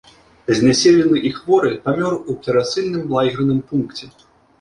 Знясілены і хворы памёр у перасыльным лагерным пункце.